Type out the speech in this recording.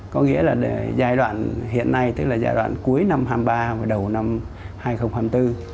có nghĩa là giai đoạn hiện nay tức là giai đoạn cuối năm hai nghìn hai mươi ba và đầu năm hai nghìn hai mươi bốn